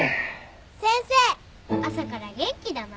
先生朝から元気だな。